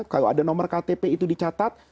kalau ada nomor ktp itu dicatat